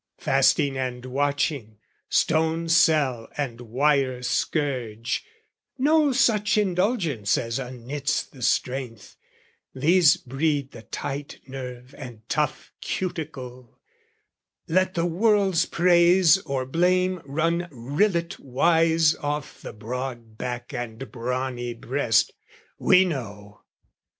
Fasting and watching, stone cell and wire scourge, No such indulgence as unknits the strength These breed the tight nerve and tough cuticle, Let the world's praise or blame run rillet wise Off the broad back and brawny breast, we know!